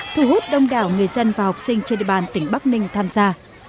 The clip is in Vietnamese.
thu hút đông đảo người dân và học sinh trên địa bàn tỉnh bắc ninh tham gia